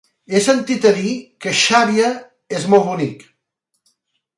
He sentit a dir que Xàbia és molt bonic.